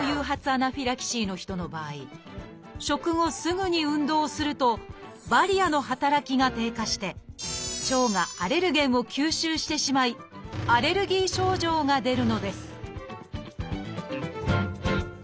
アナフィラキシーの人の場合食後すぐに運動をするとバリアの働きが低下して腸がアレルゲンを吸収してしまいアレルギー症状が出るのです